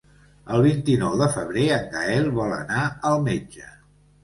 El vint-i-nou de febrer en Gaël vol anar al metge.